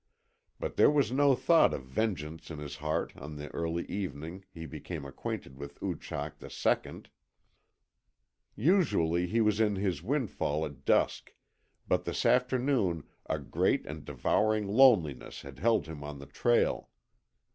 But there was no thought of vengeance in his heart on the early evening he became acquainted with Oochak the Second. Usually he was in his windfall at dusk, but this afternoon a great and devouring loneliness had held him on the trail.